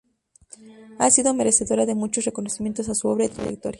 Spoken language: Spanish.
Ha sido merecedora de muchos reconocimientos a su obra y trayectoria.